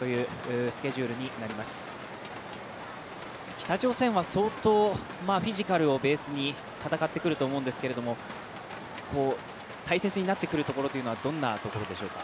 北朝鮮は相当フィジカルをベースに戦ってくると思うんですけど大切になってくるところは、どんなところでしょうか？